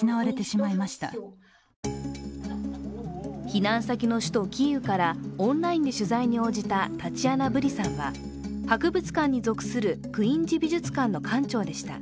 避難先の首都キーウからオンラインで取材に応じたタチアナ・ブリさんは、博物館に属するクインジ美術館の館長でした。